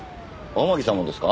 天樹さんもですか？